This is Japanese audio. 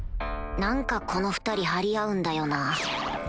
何かこの２人張り合うんだよな